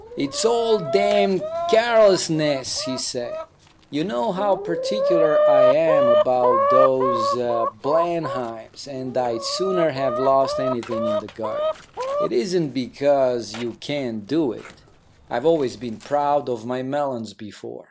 "It's all damned carelessness," he said. "You know how particular I am about those Blenheims, and I'd sooner have lost anything in the garden. It isn't because you can't do it. I've always been proud of my melons before.